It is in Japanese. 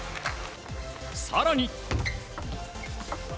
更に。